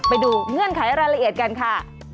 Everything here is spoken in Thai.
เงื่อนไขรายละเอียดกันค่ะ